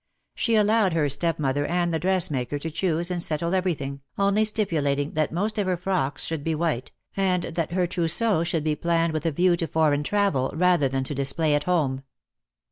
She allowed her stepmother and the dressmaker to choose and settle everything, only stipulating that most of her frocks should be white, and that her trousseau should be planned with a view to foreign travel rather than to display at home.